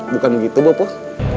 bukan begitu bapak